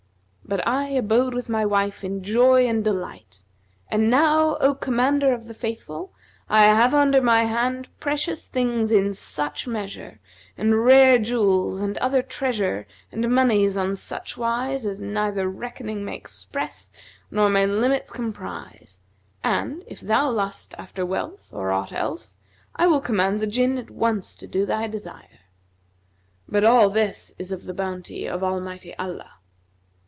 But I abode with my wife in joy and delight; and now, O Commander of the Faithful, I have under my hand precious things in such measure and rare jewels and other treasure and monies on such wise as neither reckoning may express nor may limits comprise; and, if thou lust after wealth or aught else, I will command the Jinn at once to do thy desire. But all this is of the bounty of Almighty Allah."